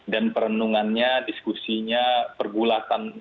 dan perenungannya diskusinya pergulatan